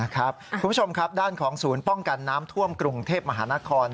คุณผู้ชมครับด้านของศูนย์ป้องกันน้ำท่วมกรุงเทพมหานคร